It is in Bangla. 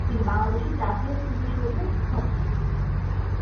তিনি বাংলাদেশের জাতীয় স্মৃতিসৌধের স্থপতি।